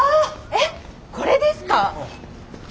えっこれですか？